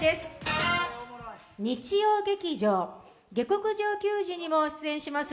日曜劇場「下剋上球児」にも出演します